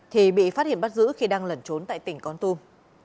thì bị phát hiện bắt giữ khi đang lẩn trốn tại tỉnh con tum